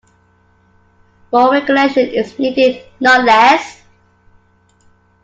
More regulation is needed, not less.